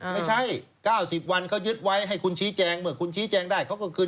ไม่ใช่๙๐วันเขายึดไว้ให้คุณชี้แจงเมื่อคุณชี้แจงได้เขาก็คืน